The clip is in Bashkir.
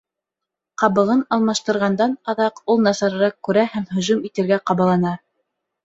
Ҡабығын алмаштырғандан аҙаҡ ул насарыраҡ күрә һәм һөжүм итергә ҡабалана.